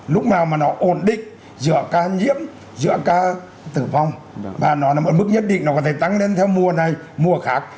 lúc nào mà nó ổn định giữa ca nhiễm giữa ca tử vong và nó là một mức nhất định nó có thể tăng lên theo mùa này mùa khác